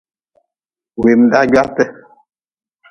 Wemdaa gwaate.